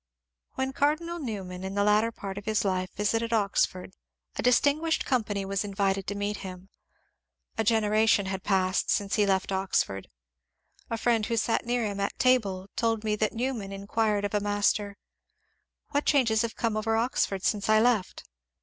When Cardinal Newman in the latter part of his life vis ited Oxford, a distinguished company was invited to meet him. A generation had passed since he left Oxford. A friend who sat near him at table told me that Newman inquired of a master, ^^What changes have come over Oxford since I left?"